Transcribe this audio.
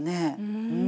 うん。